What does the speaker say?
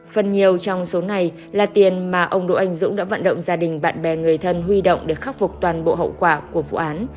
phần nhiều trong số này là tiền mà ông đỗ anh dũng đã vận động gia đình bạn bè người thân huy động để khắc phục toàn bộ hậu quả của vụ án